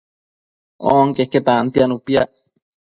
Onque tantianu piac